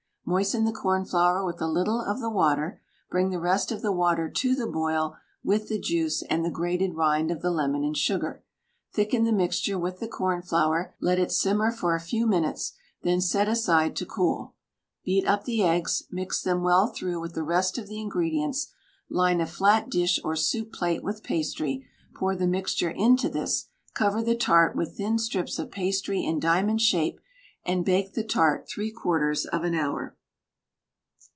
Moisten the cornflour with a little of the water; bring the rest of the water to the boil with the juice and the grated rind of the lemon and sugar. Thicken the mixture with the cornflour; let it simmer for a few minutes, then set aside to cool; beat up the eggs, mix them well through with the rest of the ingredients, line a flat dish or soup plate with pastry; pour the mixture into this, cover the tart with thin strips of pastry in diamond shape, and bake the tart 3/4 of an hour.